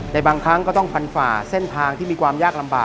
บางครั้งก็ต้องฟันฝ่าเส้นทางที่มีความยากลำบาก